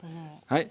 はい。